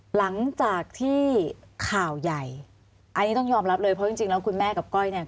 หลังจากที่ข่าวใหญ่อันนี้ต้องยอมรับเลยเพราะจริงแล้วคุณแม่กับก้อยเนี่ย